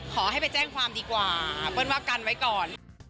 ขอให้ไปแจ้งความดีกว่าเปิ้ลว่ากันไว้ก่อน